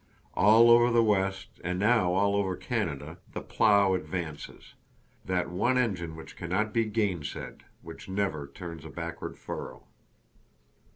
All over the West and now all over Canada, the plow advances, that one engine which cannot be gainsaid, which never turns a backward furrow.